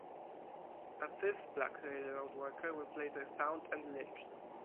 A fifth black railroad worker was later found and lynched.